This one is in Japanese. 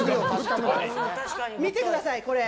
見てください、これ。